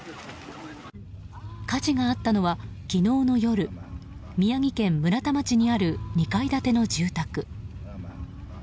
火事があったのは昨日の夜宮城県村田町にある２階建ての住宅。